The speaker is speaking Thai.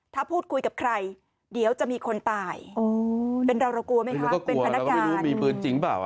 ถ้าพูดคุยกับใครเดี๋ยวจะมีคนตายเป็นเราเรากลัวไหมคะเป็นพนักงานมีปืนจริงเปล่า